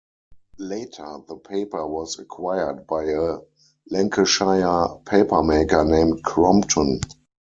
Later the paper was acquired by a Lancashire papermaker named Crompton.